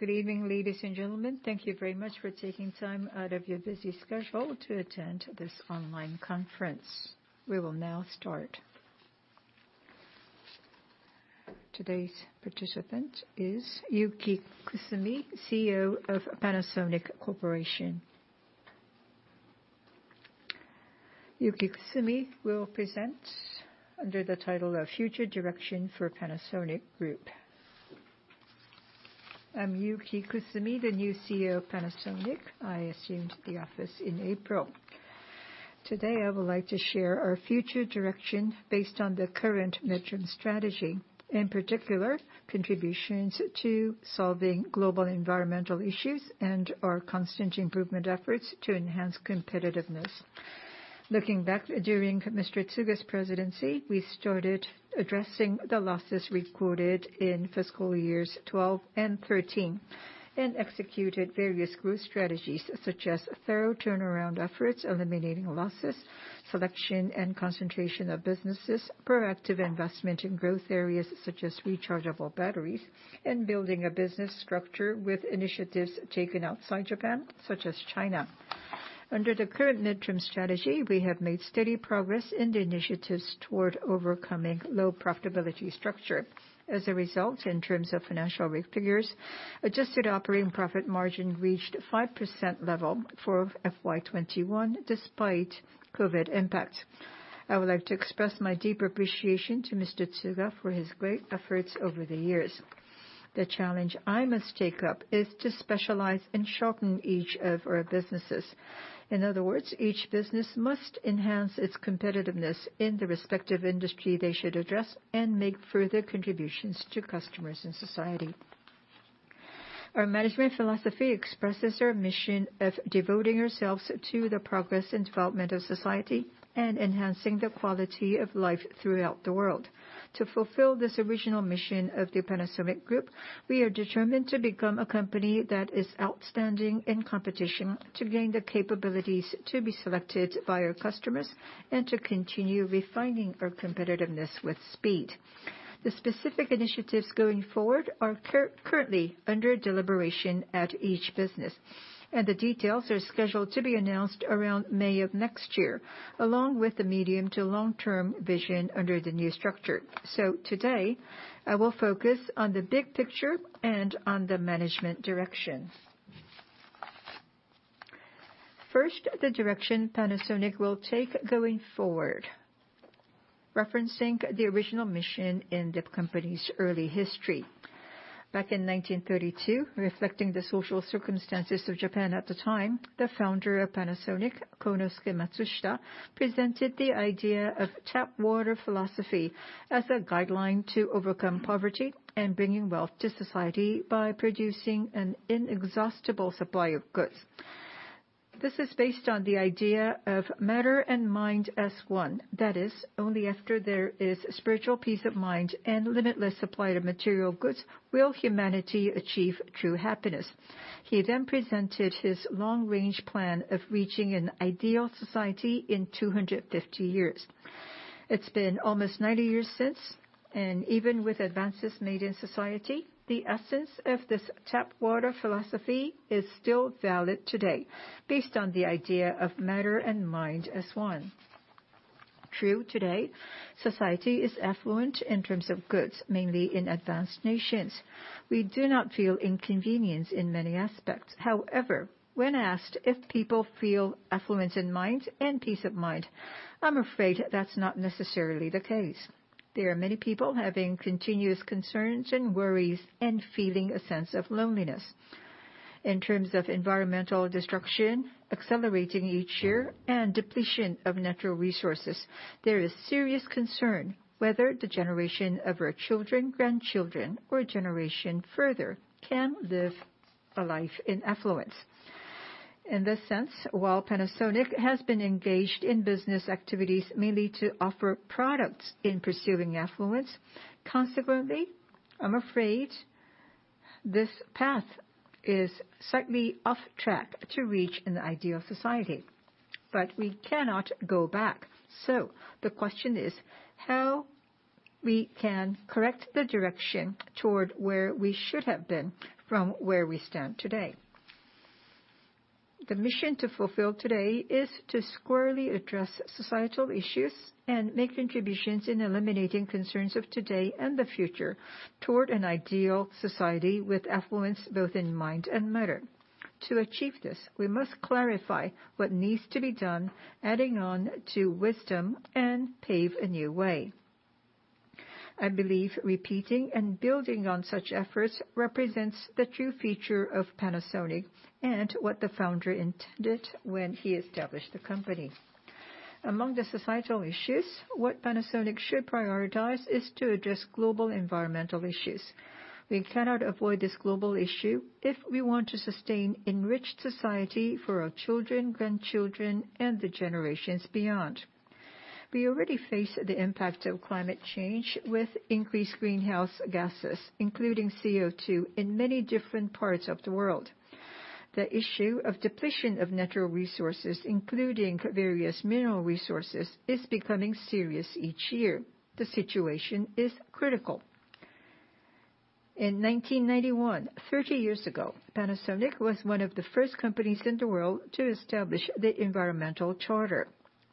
Good evening, ladies and gentlemen. Thank you very much for taking time out of your busy schedule to attend this online conference. We will now start. Today's participant is Yuki Kusumi, CEO of Panasonic Corporation. Yuki Kusumi will present under the title of Future Direction for Panasonic Group. I'm Yuki Kusumi, the new CEO of Panasonic. I assumed the office in April. Today, I would like to share our future direction based on the current midterm strategy, in particular contributions to solving global environmental issues and our constant improvement efforts to enhance competitiveness. Looking back during Mr. Tsuga's presidency, we started addressing the losses recorded in fiscal years 2012 and 2013 and executed various growth strategies such as thorough turnaround efforts, eliminating losses, selection and concentration of businesses, proactive investment in growth areas such as rechargeable batteries, and building a business structure with initiatives taken outside Japan, such as China. Under the current midterm strategy, we have made steady progress in the initiatives toward overcoming low profitability structure. As a result, in terms of financial figures, adjusted operating profit margin reached 5% level for FY2021 despite COVID impacts. I would like to express my deep appreciation to Mr. Tsuga for his great efforts over the years. The challenge I must take up is to specialize in sharpening each of our businesses. In other words, each business must enhance its competitiveness in the respective industry they should address and make further contributions to customers and society. Our management philosophy expresses our mission of devoting ourselves to the progress and development of society and enhancing the quality of life throughout the world. To fulfill this original mission of the Panasonic Group, we are determined to become a company that is outstanding in competition, to gain the capabilities to be selected by our customers, and to continue refining our competitiveness with speed. The specific initiatives going forward are currently under deliberation at each business, and the details are scheduled to be announced around May of next year, along with the medium to long-term vision under the new structure. Today, I will focus on the big picture and on the management direction. First, the direction Panasonic will take going forward, referencing the original mission in the company's early history. Back in 1932, reflecting the social circumstances of Japan at the time, the founder of Panasonic, Kōnosuke Matsushita, presented the idea of tap water philosophy as a guideline to overcome poverty and bringing wealth to society by producing an inexhaustible supply of goods. This is based on the idea of matter and mind as one. That is, only after there is spiritual peace of mind and limitless supply of material goods will humanity achieve true happiness. He then presented his long-range plan of reaching an ideal society in 250 years. It's been almost 90 years since, and even with advances made in society, the essence of this tap water philosophy is still valid today, based on the idea of matter and mind as one. True today, society is affluent in terms of goods, mainly in advanced nations. We do not feel inconvenience in many aspects. However, when asked if people feel affluence in mind and peace of mind, I'm afraid that's not necessarily the case. There are many people having continuous concerns and worries and feeling a sense of loneliness. In terms of environmental destruction accelerating each year and depletion of natural resources, there is serious concern whether the generation of our children, grandchildren, or a generation further can live a life in affluence. In this sense, while Panasonic has been engaged in business activities mainly to offer products in pursuing affluence, consequently, I'm afraid this path is slightly off track to reach an ideal society. We cannot go back. The question is how we can correct the direction toward where we should have been from where we stand today. The mission to fulfill today is to squarely address societal issues and make contributions in eliminating concerns of today and the future toward an ideal society with affluence both in mind and matter. To achieve this, we must clarify what needs to be done, adding on to wisdom, and pave a new way. I believe repeating and building on such efforts represents the true future of Panasonic and what the founder intended when he established the company. Among the societal issues, what Panasonic should prioritize is to address global environmental issues. We cannot avoid this global issue if we want to sustain enriched society for our children, grandchildren, and the generations beyond. We already face the impact of climate change with increased greenhouse gases, including CO2, in many different parts of the world. The issue of depletion of natural resources, including various mineral resources, is becoming serious each year. The situation is critical. In 1991, 30 years ago, Panasonic was one of the first companies in the world to establish the Environmental Charter.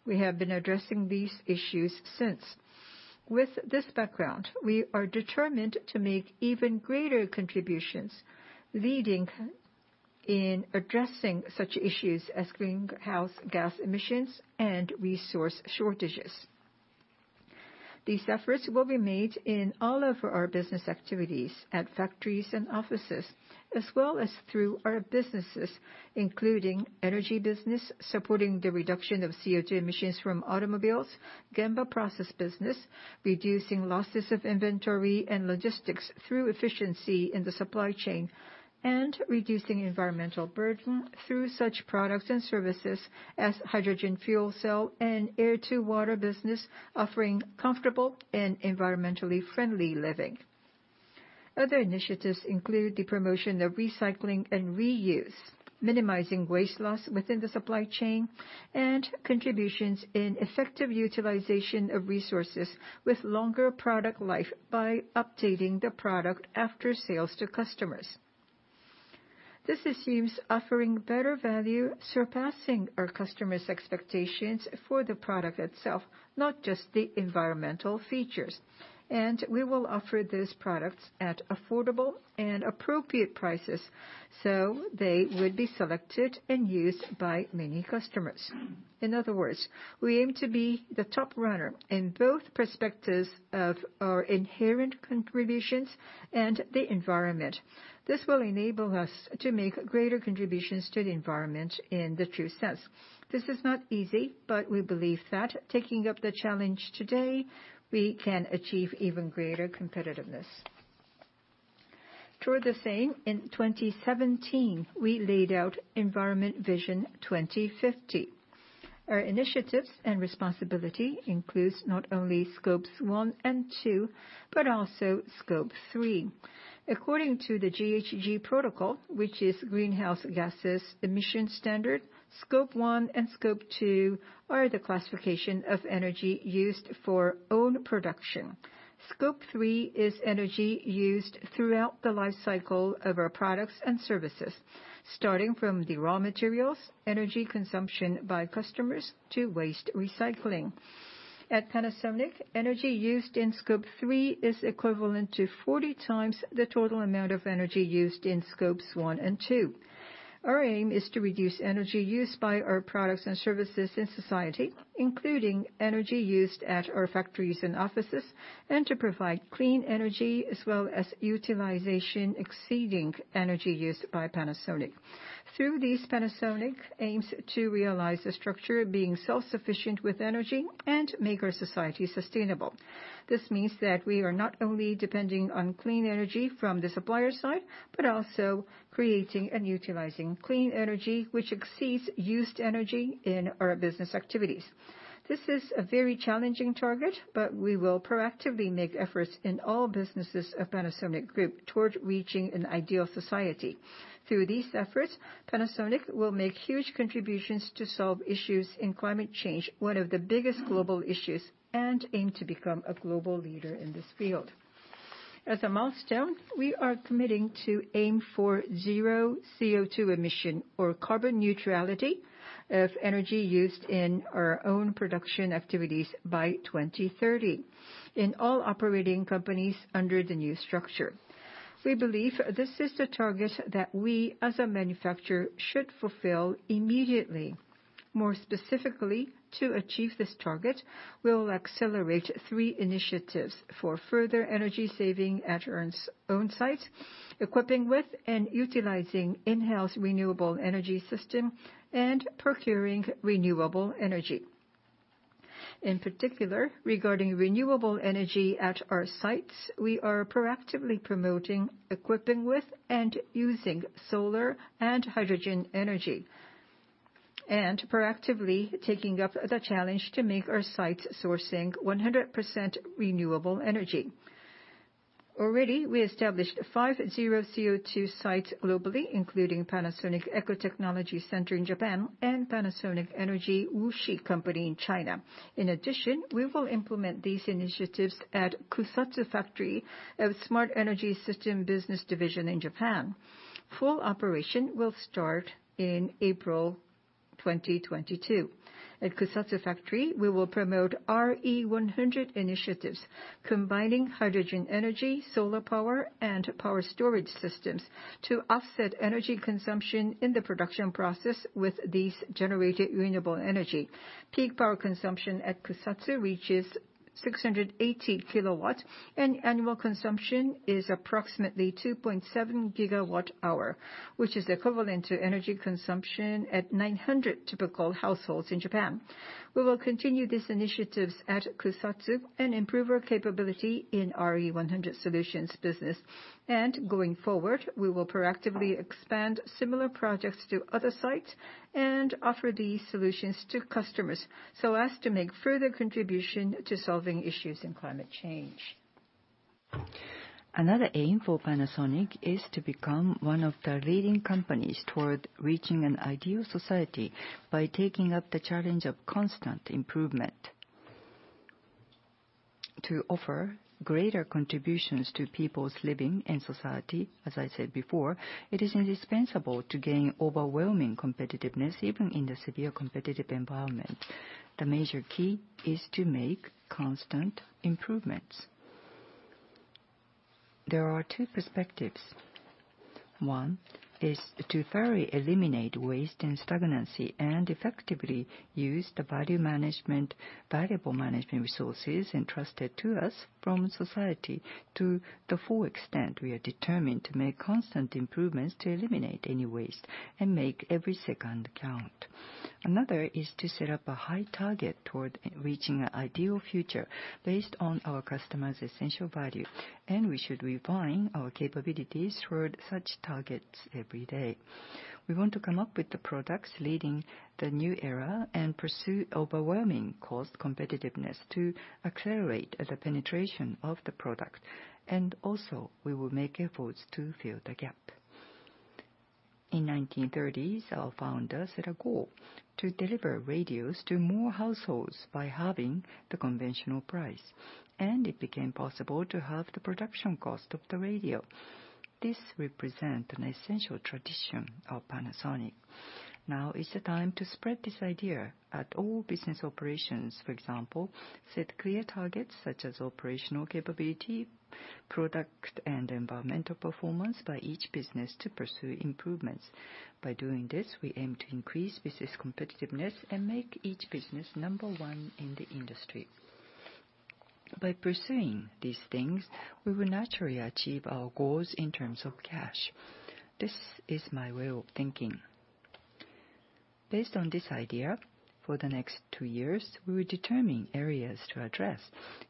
We have been addressing these issues since. With this background, we are determined to make even greater contributions leading in addressing such issues as greenhouse gas emissions and resource shortages. These efforts will be made in all of our business activities at factories and offices, as well as through our businesses, including energy business, supporting the reduction of CO2 emissions from automobiles, GEMBA process business, reducing losses of inventory and logistics through efficiency in the supply chain, and reducing environmental burden through such products and services as hydrogen fuel cell and air-to-water business, offering comfortable and environmentally friendly living. Other initiatives include the promotion of recycling and reuse, minimizing waste loss within the supply chain, and contributions in effective utilization of resources with longer product life by updating the product after sales to customers. This assumes offering better value surpassing our customers' expectations for the product itself, not just the environmental features. We will offer these products at affordable and appropriate prices so they would be selected and used by many customers. In other words, we aim to be the top runner in both perspectives of our inherent contributions and the environment. This will enable us to make greater contributions to the environment in the true sense. This is not easy, but we believe that taking up the challenge today, we can achieve even greater competitiveness. Toward the same, in 2017, we laid out Environment Vision 2050. Our initiatives and responsibility include not only Scopes 1 and 2, but also Scope 3. According to the GHG Protocol, Scope 1 and Scope 2 are the classification of energy used for own production. Scope 3 is energy used throughout the life cycle of our products and services, starting from the raw materials, energy consumption by customers, to waste recycling. At Panasonic, energy used in Scope 3 is equivalent to 40 times the total amount of energy used in Scopes 1 and 2. Our aim is to reduce energy used by our products and services in society, including energy used at our factories and offices, and to provide clean energy as well as utilization exceeding energy used by Panasonic. Through these, Panasonic aims to realize the structure of being self-sufficient with energy and make our society sustainable. This means that we are not only depending on clean energy from the supplier side, but also creating and utilizing clean energy which exceeds used energy in our business activities. This is a very challenging target, but we will proactively make efforts in all businesses of Panasonic Group toward reaching an ideal society. Through these efforts, Panasonic will make huge contributions to solve issues in climate change, one of the biggest global issues, and aim to become a global leader in this field. As a milestone, we are committing to aim for zero CO2 emission or carbon neutrality of energy used in our own production activities by 2030 in all operating companies under the new structure. We believe this is the target that we, as a manufacturer, should fulfill immediately. More specifically, to achieve this target, we'll accelerate three initiatives for further energy saving at our own sites, equipping with and utilizing in-house renewable energy systems and procuring renewable energy. In particular, regarding renewable energy at our sites, we are proactively promoting equipping with and using solar and hydrogen energy, and proactively taking up the challenge to make our sites sourcing 100% renewable energy. Already, we established five zero CO2 sites globally, including Panasonic Ecotechnology Center in Japan and Panasonic Energy Wuxi Company in China. In addition, we will implement these initiatives at Kusatsu Factory of Smart Energy System Business Division in Japan. Full operation will start in April 2022. At Kusatsu Factory, we will promote RE100 initiatives, combining hydrogen energy, solar power, and power storage systems to offset energy consumption in the production process with these generated renewable energy. Peak power consumption at Kusatsu reaches 680 kilowatts, and annual consumption is approximately 2.7 gigawatt-hour, which is equivalent to energy consumption at 900 typical households in Japan. We will continue these initiatives at Kusatsu and improve our capability in RE100 solutions business. Going forward, we will proactively expand similar projects to other sites and offer these solutions to customers so as to make further contributions to solving issues in climate change. Another aim for Panasonic is to become one of the leading companies toward reaching an ideal society by taking up the challenge of constant improvement. To offer greater contributions to people's living and society, as I said before, it is indispensable to gain overwhelming competitiveness even in the severe competitive environment. The major key is to make constant improvements. There are two perspectives. One is to thoroughly eliminate waste and stagnancy and effectively use the valuable management resources entrusted to us from society to the full extent. We are determined to make constant improvements to eliminate any waste and make every second count. Another is to set up a high target toward reaching an ideal future based on our customers' essential value, and we should refine our capabilities toward such targets every day. We want to come up with the products leading the new era and pursue overwhelming cost competitiveness to accelerate the penetration of the product. We will make efforts to fill the gap. In the 1930s, our founder set a goal to deliver radios to more households by halving the conventional price, and it became possible to halve the production cost of the radio. This represents an essential tradition of Panasonic. Now is the time to spread this idea at all business operations. For example, set clear targets such as operational capability, product, and environmental performance by each business to pursue improvements. By doing this, we aim to increase business competitiveness and make each business number one in the industry. By pursuing these things, we will naturally achieve our goals in terms of cash. This is my way of thinking. Based on this idea, for the next two years, we will determine areas to address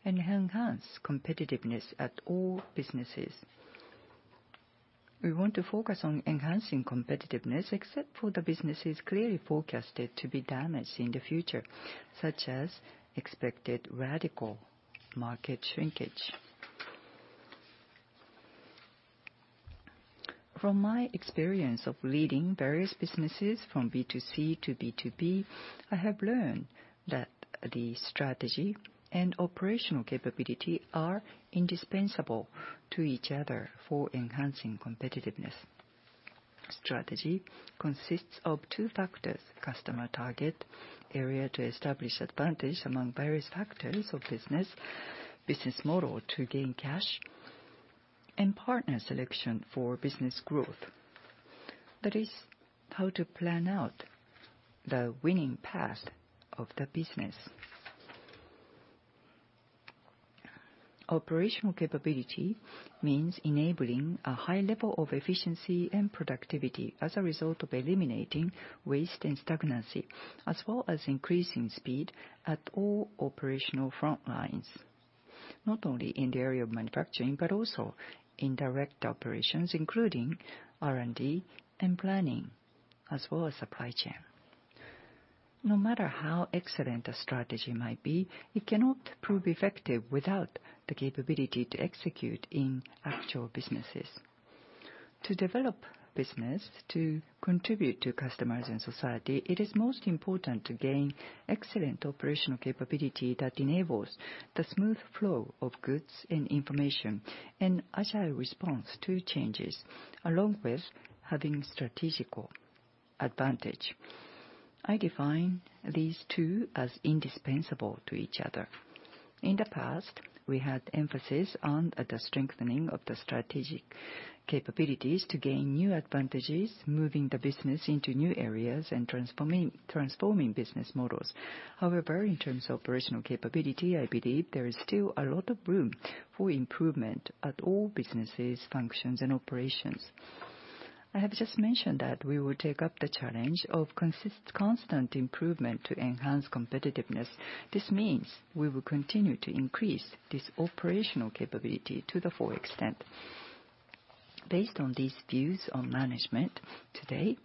and enhance competitiveness at all businesses. We want to focus on enhancing competitiveness except for the businesses clearly forecasted to be damaged in the future, such as expected radical market shrinkage. From my experience of leading various businesses from B2C to B2B, I have learned that the strategy and operational capability are indispensable to each other for enhancing competitiveness. Strategy consists of two factors: customer target, area to establish advantage among various factors of business, business model to gain cash, and partner selection for business growth. That is how to plan out the winning path of the business. Operational capability means enabling a high level of efficiency and productivity as a result of eliminating waste and stagnancy, as well as increasing speed at all operational front lines, not only in the area of manufacturing but also in direct operations, including R&D and planning, as well as supply chain. No matter how excellent a strategy might be, it cannot prove effective without the capability to execute in actual businesses. To develop business, to contribute to customers and society, it is most important to gain excellent operational capability that enables the smooth flow of goods and information and agile response to changes, along with having strategical advantage. I define these two as indispensable to each other. In the past, we had emphasis on the strengthening of the strategic capabilities to gain new advantages, moving the business into new areas and transforming business models. However, in terms of operational capability, I believe there is still a lot of room for improvement at all businesses, functions, and operations. I have just mentioned that we will take up the challenge of constant improvement to enhance competitiveness. This means we will continue to increase this operational capability to the full extent. Based on these views on management, today,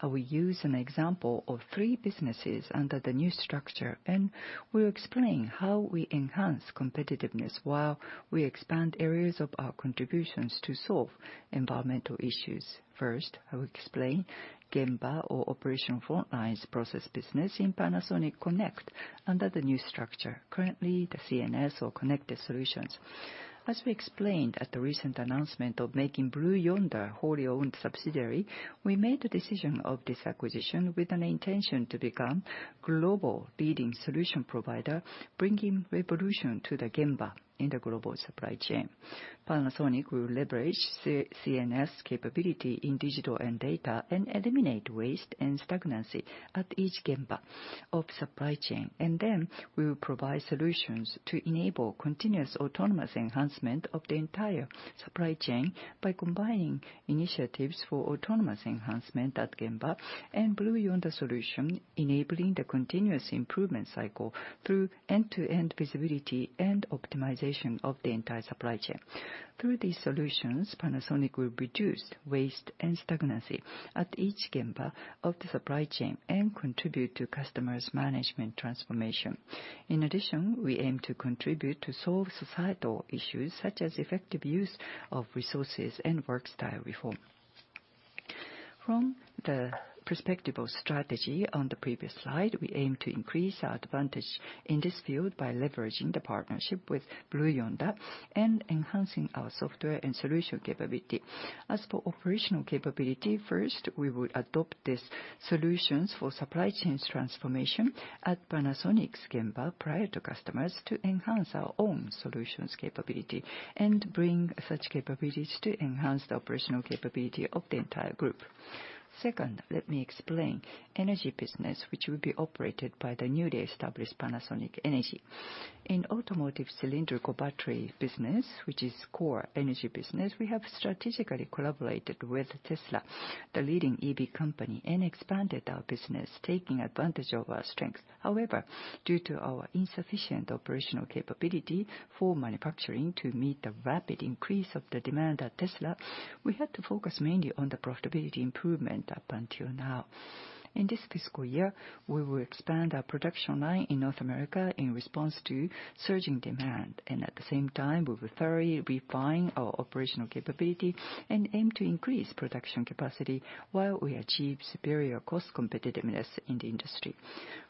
I will use an example of three businesses under the new structure, and we'll explain how we enhance competitiveness while we expand areas of our contributions to solve environmental issues. First, I will explain GEMBA, or Operation Frontlines Process Business, in Panasonic Connect under the new structure, currently the CNS, or Connected Solutions. As we explained at the recent announcement of making Blue Yonder a wholly owned subsidiary, we made the decision of this acquisition with an intention to become a global leading solution provider, bringing revolution to the GEMBA in the global supply chain. Panasonic will leverage CNS capability in digital and data and eliminate waste and stagnancy at each GEMBA of supply chain. We will provide solutions to enable continuous autonomous enhancement of the entire supply chain by combining initiatives for autonomous enhancement at GEMBA and Blue Yonder solution, enabling the continuous improvement cycle through end-to-end visibility and optimization of the entire supply chain. Through these solutions, Panasonic will reduce waste and stagnancy at each GEMBA of the supply chain and contribute to customers' management transformation. In addition, we aim to contribute to solve societal issues such as effective use of resources and work-style reform. From the perspective of strategy on the previous slide, we aim to increase our advantage in this field by leveraging the partnership with Blue Yonder and enhancing our software and solution capability. As for operational capability, first, we will adopt these solutions for supply chain transformation at Panasonic's GEMBA prior to customers to enhance our own solutions capability and bring such capabilities to enhance the operational capability of the entire group. Second, let me explain energy business, which will be operated by the newly established Panasonic Energy. In automotive cylindrical battery business, which is core energy business, we have strategically collaborated with Tesla, the leading EV company, and expanded our business, taking advantage of our strengths. However, due to our insufficient operational capability for manufacturing to meet the rapid increase of the demand at Tesla, we had to focus mainly on the profitability improvement up until now. In this fiscal year, we will expand our production line in North America in response to surging demand. At the same time, we will thoroughly refine our operational capability and aim to increase production capacity while we achieve superior cost competitiveness in the industry.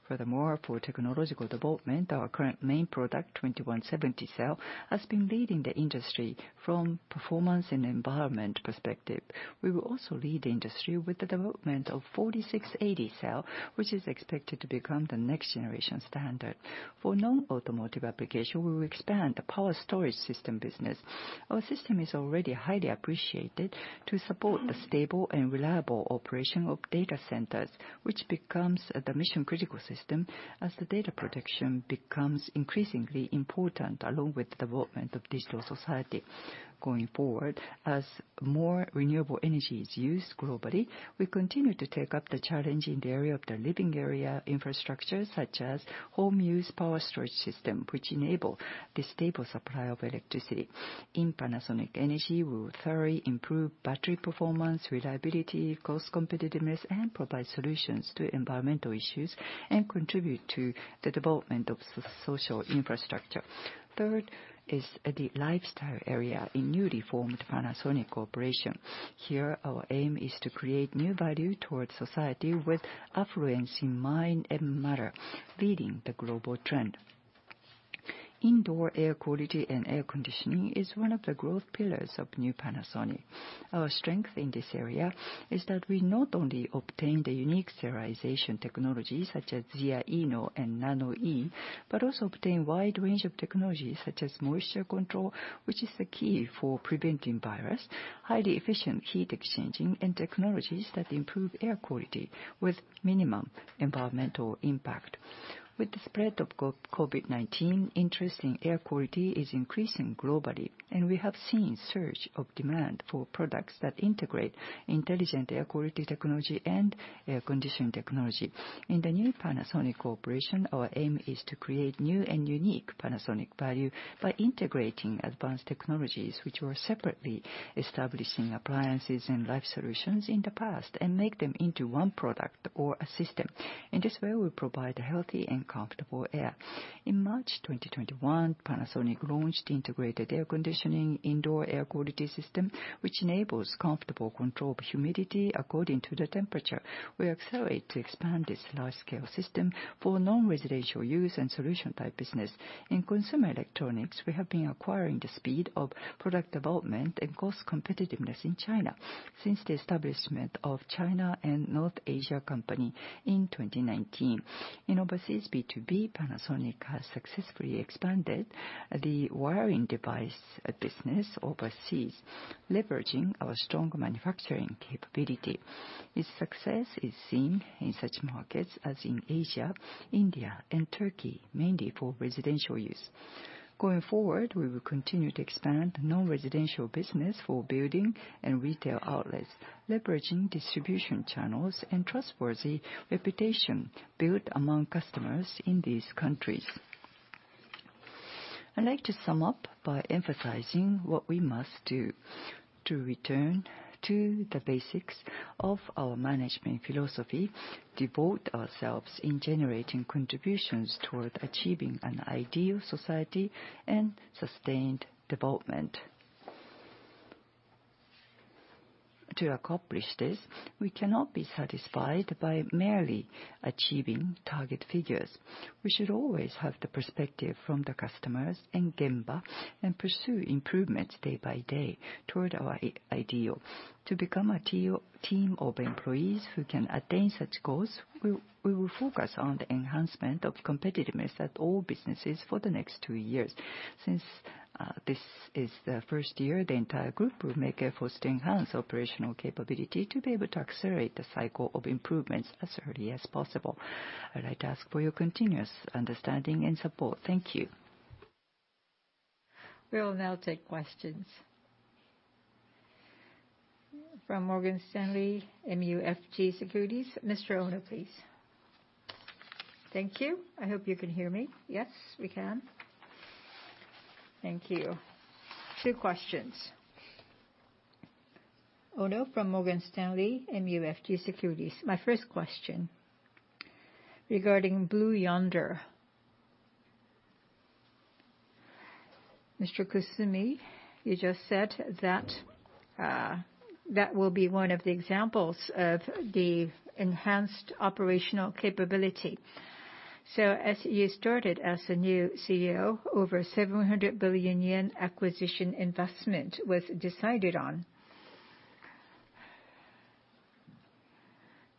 Furthermore, for technological development, our current main product, 2170 cell, has been leading the industry from performance and environment perspective. We will also lead the industry with the development of 4680 cell, which is expected to become the next generation standard. For non-automotive application, we will expand the power storage system business. Our system is already highly appreciated to support the stable and reliable operation of data centers, which becomes a mission-critical system as the data protection becomes increasingly important along with the development of digital society. Going forward, as more renewable energy is used globally, we continue to take up the challenge in the area of the living area infrastructure, such as home use power storage system, which enables the stable supply of electricity. In Panasonic Energy, we will thoroughly improve battery performance, reliability, cost competitiveness, and provide solutions to environmental issues and contribute to the development of social infrastructure. Third is the lifestyle area in newly formed Panasonic Corporation. Here, our aim is to create new value toward society with affluence in mind and matter, leading the global trend. Indoor air quality and air conditioning is one of the growth pillars of new Panasonic. Our strength in this area is that we not only obtain the unique sterilization technologies such as Zaeono and Nanoe, but also obtain a wide range of technologies such as moisture control, which is the key for preventing virus, highly efficient heat exchanging, and technologies that improve air quality with minimum environmental impact. With the spread of COVID-19, interest in air quality is increasing globally, and we have seen a surge of demand for products that integrate intelligent air quality technology and air conditioning technology. In the new Panasonic Corporation, our aim is to create new and unique Panasonic value by integrating advanced technologies, which were separately established in appliances and life solutions in the past, and make them into one product or a system. In this way, we provide healthy and comfortable air. In March 2021, Panasonic launched the integrated air conditioning indoor air quality system, which enables comfortable control of humidity according to the temperature. We accelerate to expand this large-scale system for non-residential use and solution-type business. In consumer electronics, we have been acquiring the speed of product development and cost competitiveness in China since the establishment of China and North Asia Company in 2019. In overseas B2B, Panasonic has successfully expanded the wiring device business overseas, leveraging our strong manufacturing capability. Its success is seen in such markets as in Asia, India, and Turkey, mainly for residential use. Going forward, we will continue to expand non-residential business for building and retail outlets, leveraging distribution channels and trustworthy reputation built among customers in these countries. I'd like to sum up by emphasizing what we must do to return to the basics of our management philosophy, devote ourselves in generating contributions toward achieving an ideal society and sustained development. To accomplish this, we cannot be satisfied by merely achieving target figures. We should always have the perspective from the customers and GEMBA and pursue improvements day by day toward our ideal. To become a team of employees who can attain such goals, we will focus on the enhancement of competitiveness at all businesses for the next two years. Since this is the first year, the entire group will make efforts to enhance operational capability to be able to accelerate the cycle of improvements as early as possible. I'd like to ask for your continuous understanding and support. Thank you. We will now take questions from Morgan Stanley MUFG Securities. Mr. Ono, please. Thank you. I hope you can hear me. Yes, we can. Thank you. Two questions. Ono from Morgan Stanley MUFG Securities. My first question regarding Blue Yonder. Mr. Kusumi, you just said that that will be one of the examples of the enhanced operational capability. As you started as a new CEO, over 700 billion yen acquisition investment was decided on.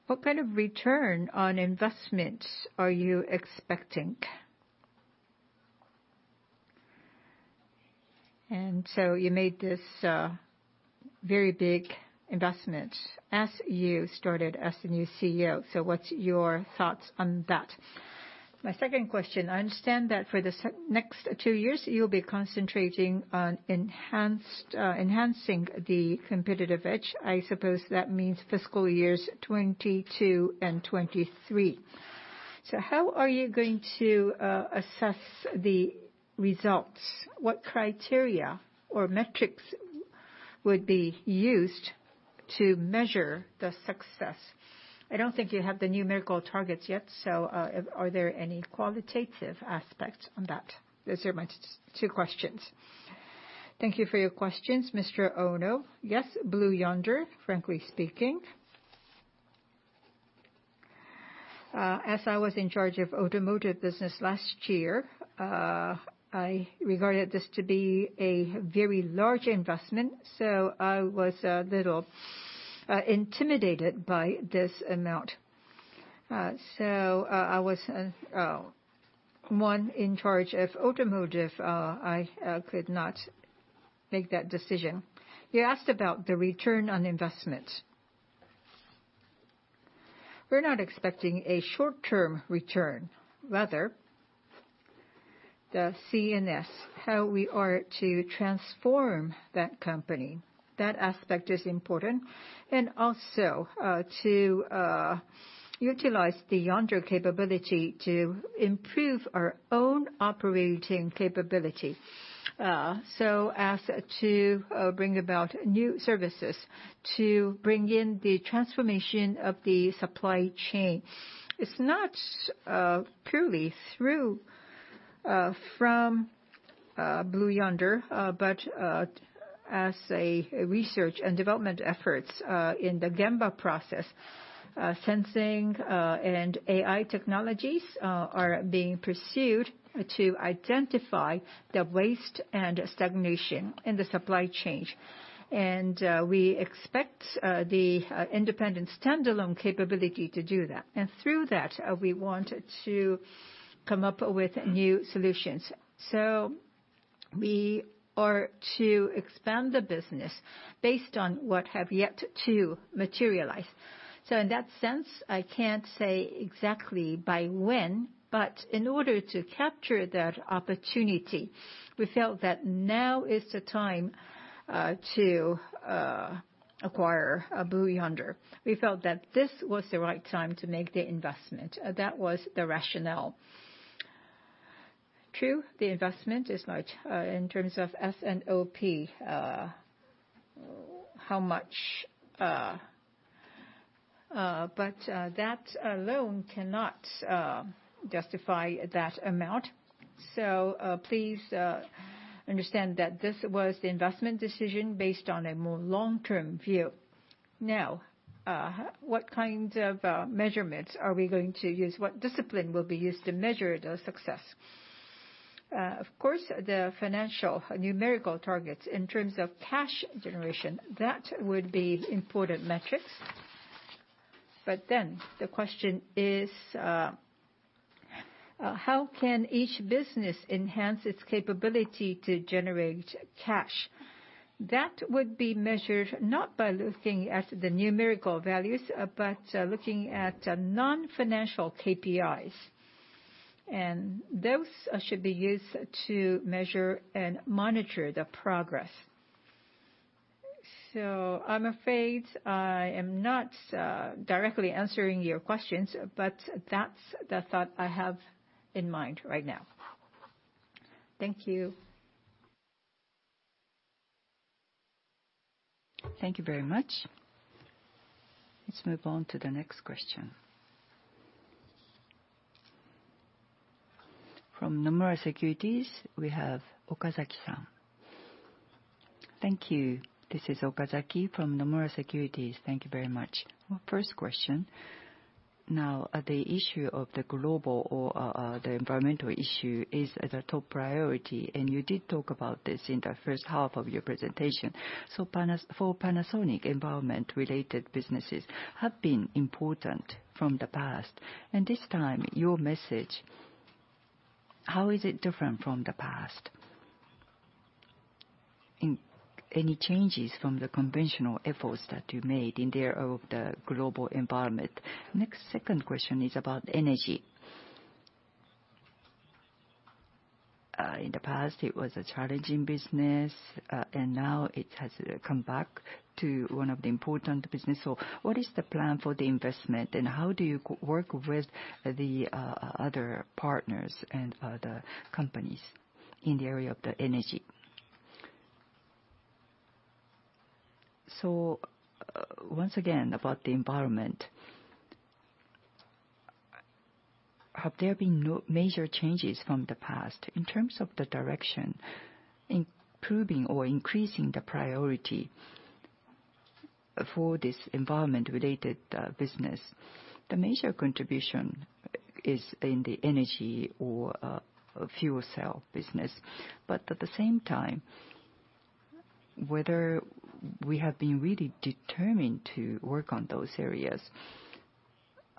What kind of return on investment are you expecting? You made this very big investment as you started as a new CEO. What are your thoughts on that? My second question. I understand that for the next two years, you will be concentrating on enhancing the competitive edge. I suppose that means fiscal years 2022 and 2023. How are you going to assess the results? What criteria or metrics would be used to measure the success? I don't think you have the numerical targets yet, so are there any qualitative aspects on that? Those are my two questions. Thank you for your questions. Mr. Ono, yes, Blue Yonder, frankly speaking. As I was in charge of automotive business last year, I regarded this to be a very large investment, so I was a little intimidated by this amount. I was one in charge of automotive. I could not make that decision. You asked about the return on investment. We're not expecting a short-term return. Rather, the CNS, how we are to transform that company, that aspect is important, and also to utilize the Yonder capability to improve our own operating capability, so as to bring about new services, to bring in the transformation of the supply chain. It's not purely from Blue Yonder, but as a research and development effort in the GAMBA process, sensing and AI technologies are being pursued to identify the waste and stagnation in the supply chain. We expect the independent standalone capability to do that. Through that, we want to come up with new solutions. We are to expand the business based on what have yet to materialize. In that sense, I can't say exactly by when, but in order to capture that opportunity, we felt that now is the time to acquire Blue Yonder. We felt that this was the right time to make the investment. That was the rationale. True, the investment is much in terms of S&OP, how much, but that alone cannot justify that amount. Please understand that this was the investment decision based on a more long-term view. Now, what kind of measurements are we going to use? What discipline will be used to measure the success? Of course, the financial numerical targets in terms of cash generation, that would be important metrics. The question is, how can each business enhance its capability to generate cash? That would be measured not by looking at the numerical values, but looking at non-financial KPIs. Those should be used to measure and monitor the progress. I'm afraid I am not directly answering your questions, but that's the thought I have in mind right now. Thank you. Thank you very much. Let's move on to the next question. From Nomura Securities, we have Okazaki-san. Thank you. This is Okazaki from Nomura Securities. Thank you very much. First question. Now, the issue of the global or the environmental issue is the top priority, and you did talk about this in the first half of your presentation. For Panasonic, environment-related businesses have been important from the past. This time, your message, how is it different from the past? Any changes from the conventional efforts that you made in the area of the global environment? The next second question is about energy. In the past, it was a challenging business, and now it has come back to one of the important businesses. What is the plan for the investment, and how do you work with the other partners and other companies in the area of the energy? Once again, about the environment, have there been major changes from the past in terms of the direction, improving or increasing the priority for this environment-related business? The major contribution is in the energy or fuel cell business. At the same time, whether we have been really determined to work on those areas,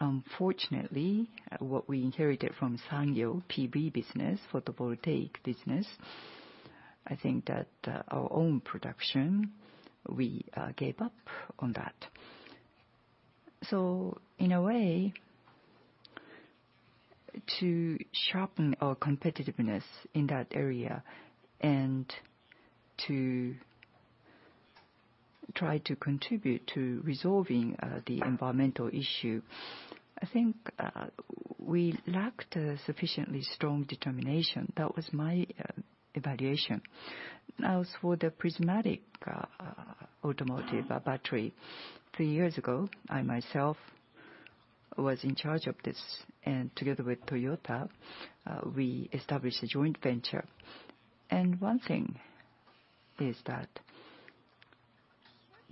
unfortunately, what we inherited from Sanyo PV business, photovoltaic business, I think that our own production, we gave up on that. In a way, to sharpen our competitiveness in that area and to try to contribute to resolving the environmental issue, I think we lacked sufficiently strong determination. That was my evaluation. Now, for the prismatic automotive battery, three years ago, I myself was in charge of this, and together with Toyota, we established a joint venture. One thing is that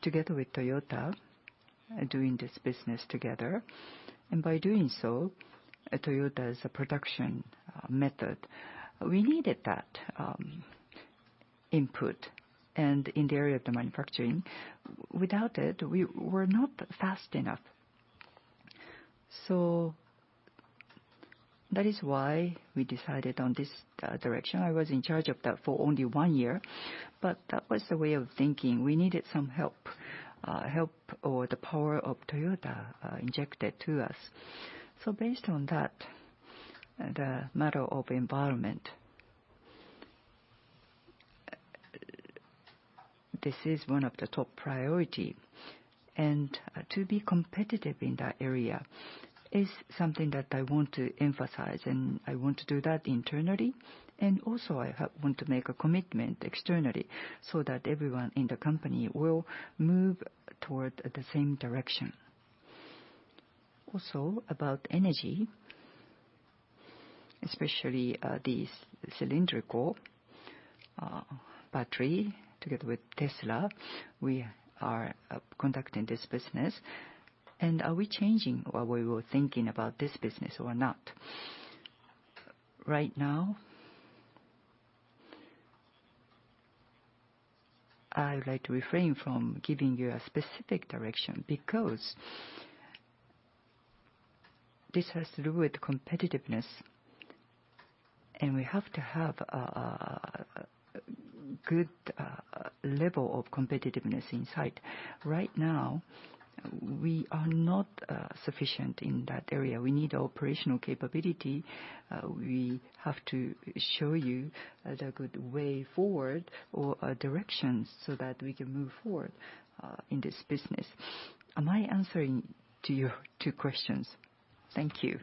together with Toyota, doing this business together, and by doing so, Toyota's production method, we needed that input. In the area of the manufacturing, without it, we were not fast enough. That is why we decided on this direction. I was in charge of that for only one year, but that was the way of thinking. We needed some help, help or the power of Toyota injected to us. Based on that, the matter of environment, this is one of the top priorities. To be competitive in that area is something that I want to emphasize, and I want to do that internally. I also want to make a commitment externally so that everyone in the company will move toward the same direction. Also, about energy, especially the cylindrical battery, together with Tesla, we are conducting this business. Are we changing what we were thinking about this business or not? Right now, I would like to refrain from giving you a specific direction because this has to do with competitiveness, and we have to have a good level of competitiveness in sight. Right now, we are not sufficient in that area. We need operational capability. We have to show you the good way forward or directions so that we can move forward in this business. Am I answering to your two questions? Thank you.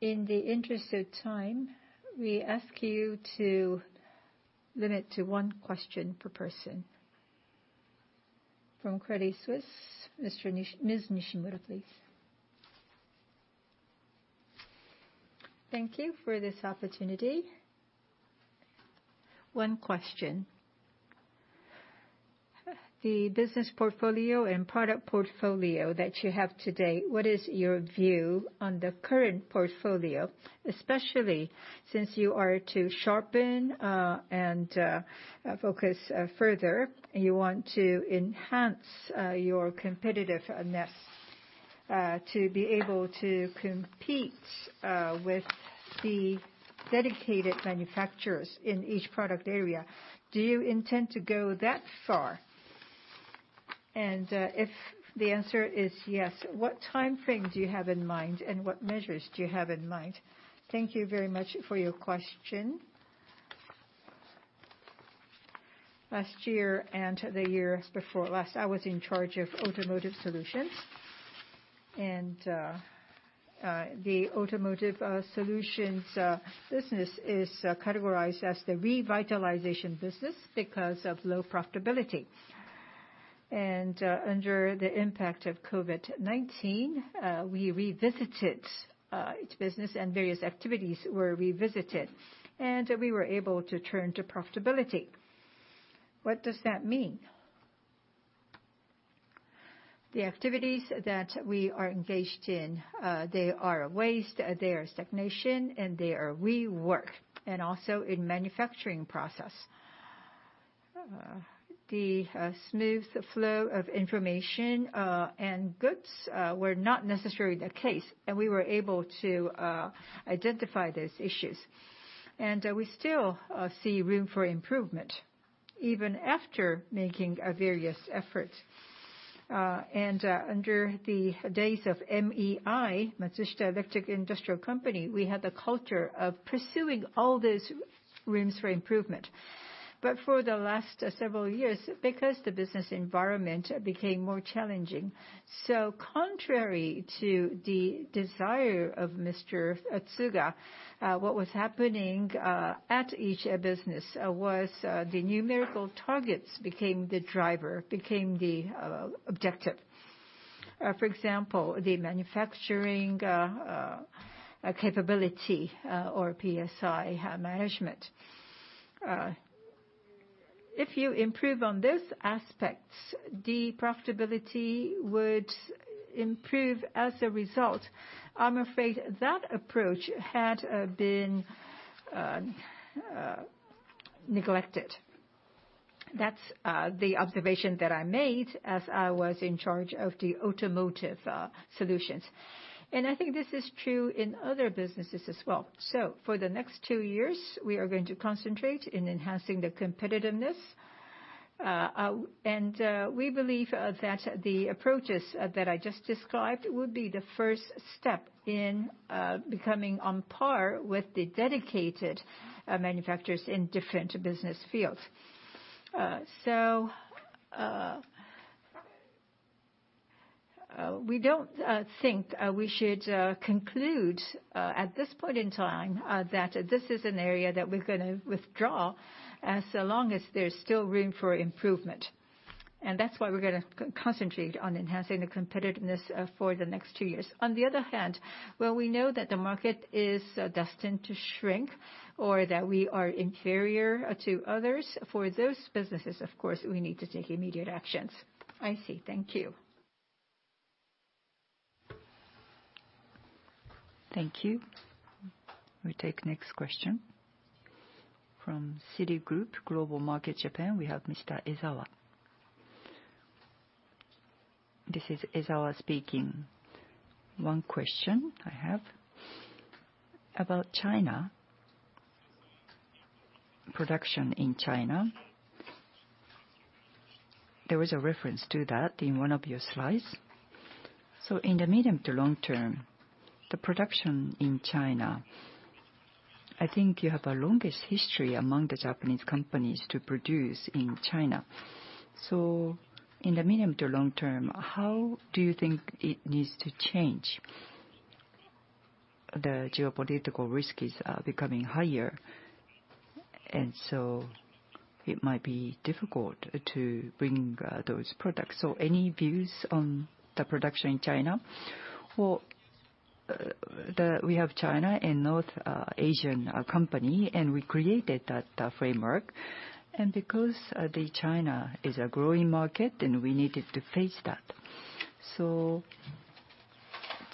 In the interest of time, we ask you to limit to one question per person. From Credit Suisse, Ms. Nishimura, please. Thank you for this opportunity. One question. The business portfolio and product portfolio that you have today, what is your view on the current portfolio, especially since you are to sharpen and focus further? You want to enhance your competitiveness to be able to compete with the dedicated manufacturers in each product area. Do you intend to go that far? If the answer is yes, what timeframe do you have in mind, and what measures do you have in mind? Thank you very much for your question. Last year and the year before, I was in charge of automotive solutions. The automotive solutions business is categorized as the revitalization business because of low profitability. Under the impact of COVID-19, we revisited business, and various activities were revisited, and we were able to turn to profitability. What does that mean? The activities that we are engaged in, they are waste, they are stagnation, and they are rework, and also in the manufacturing process. The smooth flow of information and goods were not necessarily the case, and we were able to identify those issues. We still see room for improvement, even after making various efforts. Under the days of Matsushita Electric Industrial Company, we had the culture of pursuing all those rooms for improvement. For the last several years, because the business environment became more challenging, contrary to the desire of Mr. Tsuga, what was happening at each business was the numerical targets became the driver, became the objective. For example, the manufacturing capability or PSI management. If you improve on those aspects, the profitability would improve as a result. I'm afraid that approach had been neglected. That's the observation that I made as I was in charge of the automotive solutions. I think this is true in other businesses as well. For the next two years, we are going to concentrate in enhancing the competitiveness. We believe that the approaches that I just described would be the first step in becoming on par with the dedicated manufacturers in different business fields. We do not think we should conclude at this point in time that this is an area that we are going to withdraw as long as there is still room for improvement. That is why we are going to concentrate on enhancing the competitiveness for the next two years. On the other hand, while we know that the market is destined to shrink or that we are inferior to others, for those businesses, of course, we need to take immediate actions. I see. Thank you. Thank you. We take next question from Citigroup Global Markets Japan. We have Mr. Ezawa. This is Ezawa speaking. One question I have about China, production in China. There was a reference to that in one of your slides. In the medium to long term, the production in China, I think you have the longest history among the Japanese companies to produce in China. In the medium to long term, how do you think it needs to change? The geopolitical risk is becoming higher, and it might be difficult to bring those products. Any views on the production in China? We have China and North Asian company, and we created that framework. Because China is a growing market, we needed to face that.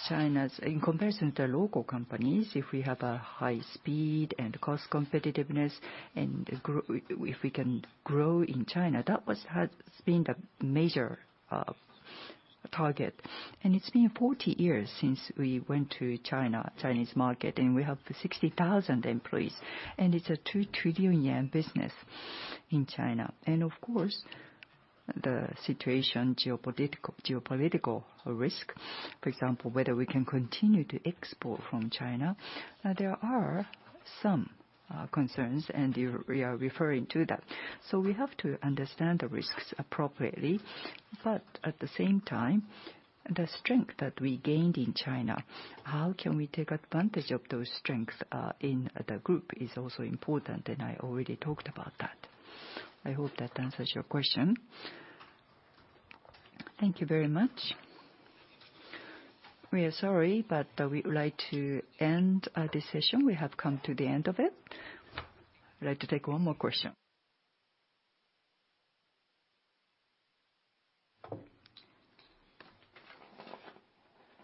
China, in comparison to local companies, if we have a high speed and cost competitiveness, and if we can grow in China, that has been the major target. It has been 40 years since we went to the Chinese market, and we have 60,000 employees, and it is a 2 trillion yen business in China. Of course, the situation, geopolitical risk, for example, whether we can continue to export from China, there are some concerns, and we are referring to that. We have to understand the risks appropriately. At the same time, the strength that we gained in China, how can we take advantage of those strengths in the group is also important, and I already talked about that. I hope that answers your question. Thank you very much. We are sorry, but we would like to end this session. We have come to the end of it. I'd like to take one more question.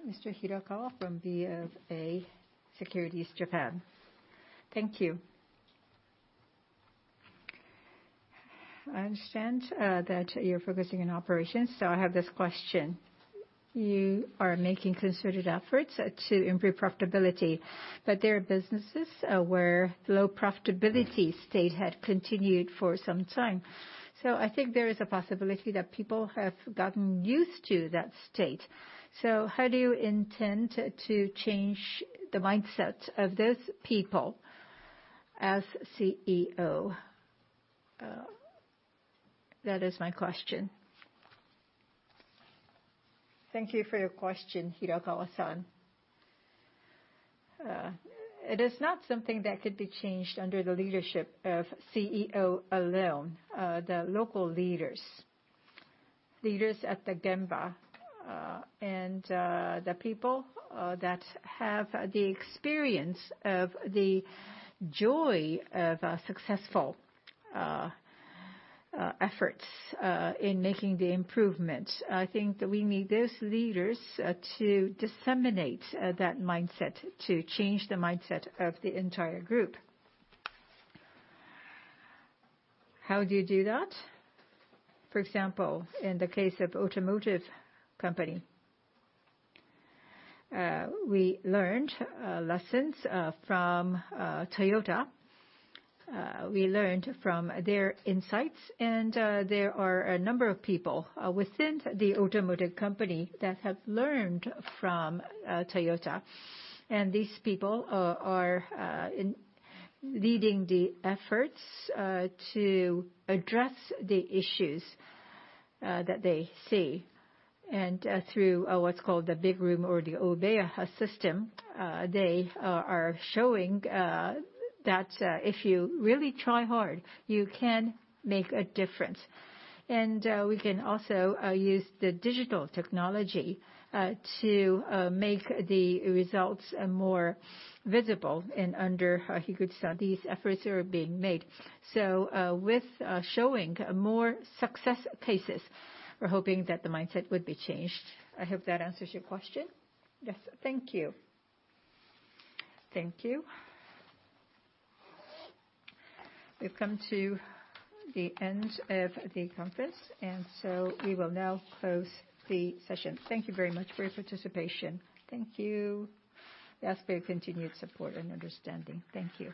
Mr. Hirakawa from BFA Securities Japan. Thank you. I understand that you're focusing on operations, so I have this question. You are making considered efforts to improve profitability, but there are businesses where low profitability state had continued for some time. I think there is a possibility that people have gotten used to that state. How do you intend to change the mindset of those people as CEO? That is my question. Thank you for your question, Hirakawa-san. It is not something that could be changed under the leadership of CEO alone. The local leaders, leaders at the Genba, and the people that have the experience of the joy of successful efforts in making the improvements. I think that we need those leaders to disseminate that mindset, to change the mindset of the entire group. How do you do that? For example, in the case of automotive company, we learned lessons from Toyota. We learned from their insights, and there are a number of people within the automotive company that have learned from Toyota. These people are leading the efforts to address the issues that they see. Through what is called the big room or the Obeya system, they are showing that if you really try hard, you can make a difference. We can also use digital technology to make the results more visible, and under Higuchi-san, these efforts are being made. With showing more success cases, we are hoping that the mindset would be changed. I hope that answers your question. Yes. Thank you. Thank you. We have come to the end of the conference, and we will now close the session. Thank you very much for your participation. Thank you. We ask for your continued support and understanding. Thank you.